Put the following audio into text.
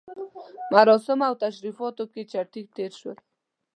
مراسمو او تشریفاتو کې چټي تېر شو.